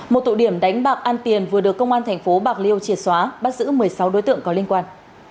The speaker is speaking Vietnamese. một tụ điểm đánh bạc ăn tiền vừa được công an tp bạc liêu triệt xóa bắt giữ một mươi sáu đối tượng có liên quan